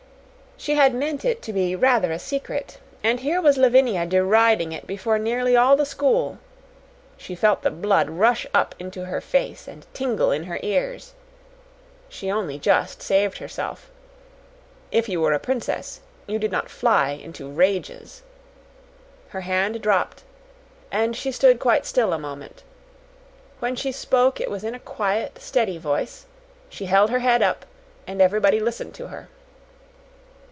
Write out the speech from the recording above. She had meant it to be rather a secret, and here was Lavinia deriding it before nearly all the school. She felt the blood rush up into her face and tingle in her ears. She only just saved herself. If you were a princess, you did not fly into rages. Her hand dropped, and she stood quite still a moment. When she spoke it was in a quiet, steady voice; she held her head up, and everybody listened to her.